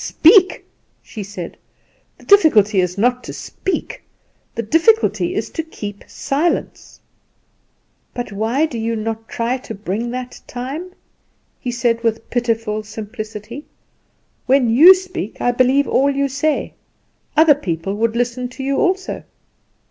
speak!" she said, "the difficulty is not to speak; the difficulty is to keep silence." "But why do you not try to bring that time?" he said with pitiful simplicity. "When you speak I believe all you say; other people would listen to you also."